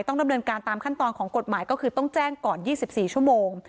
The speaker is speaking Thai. ต้องดำเนินการตามขั้นตอนของกฎหมายก็คือต้องแจ้งก่อน๒๔ชั่วโมง